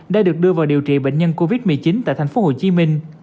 đã được đưa vào điều trị bệnh nhân covid một mươi chín tại tp hcm